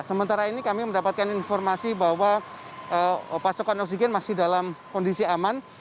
sementara ini kami mendapatkan informasi bahwa pasokan oksigen masih dalam kondisi aman